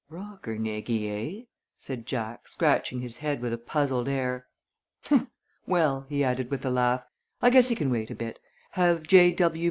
"Rockernegie, eh?" said Jack, scratching his head with a puzzled air. "Well," he added with a laugh, "I guess he can wait a bit. Have J. W.